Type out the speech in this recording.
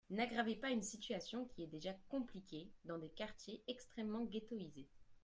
N’aggravez pas une situation qui est déjà compliquée dans des quartiers extrêmement ghettoïsés